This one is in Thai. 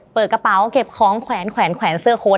เปิดกระเป๋าเก็บของแขวนแขวนเสื้อโค้ด